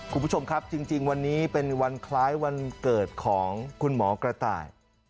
คุณผู้ชมครับจริงวันนี้เป็นวันคล้ายวันเกิดของคุณหมอกระต่าย